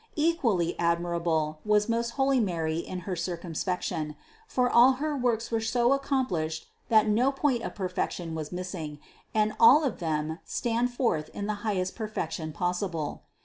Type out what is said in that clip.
Equally ad mirable was most holy Mary in her circumspection; for all her works were so accomplished that no point of per fection was missing, and all of them stand forth in the highest perfection possible.